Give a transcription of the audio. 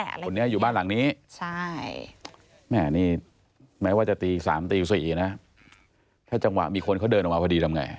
คนนี้อยู่บ้านหลังนี้ใช่แม่นี่แม้ว่าจะตี๓ตี๔นะถ้าจังหวะมีคนเขาเดินออกมาพอดีทำไง